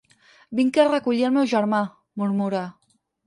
Vinc a recollir el meu germà —murmura.